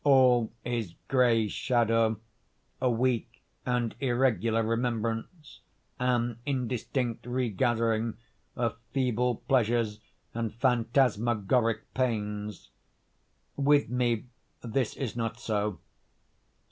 All is gray shadow—a weak and irregular remembrance—an indistinct regathering of feeble pleasures and phantasmagoric pains. With me this is not so.